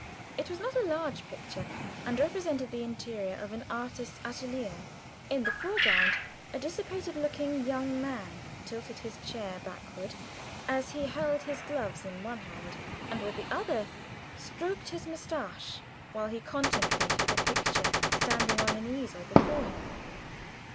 It was not a large picture, and represented the interior of an artist's atelier. In the foreground a dissipated looking young man tilted his chair backward as he held his gloves in one hand, and with the other stroked his mustache, while he contemplated a picture standing on an easel before him.